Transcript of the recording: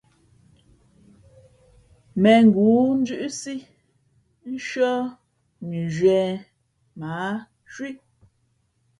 Mēngoó ndʉ́ʼsí nshʉ́ά mʉnzhwīē mα ǎ cwí.